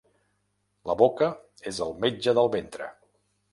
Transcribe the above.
La boca és el metge del ventre.